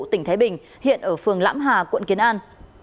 tỉnh thái bình hiện ở phường lãm hà quận kiến an